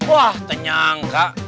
wah tenyang kak